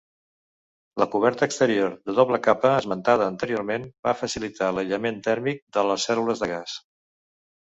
La coberta exterior de doble capa, esmentada anteriorment, va facilitar l'aïllament tèrmic de les cèl·lules de gas.